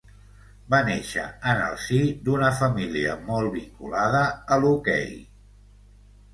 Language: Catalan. Va néixer en el si d'una família molt vinculada a l'hoquei.